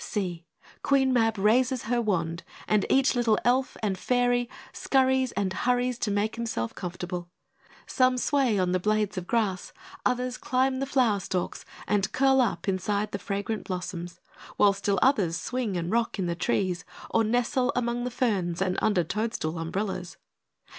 See! Queen Mab raises her wand, and each little Elf and Fairy scurries and hurries to make himself comfortable. Some sway on the blades of grass; others climb the flower stalks and curl up inside the fragrant blossoms; while still others swing and rock in the trees, or nestle among the ferns and under toadstool umbrellas.